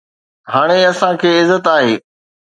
هاڻي اسان کي عزت آهي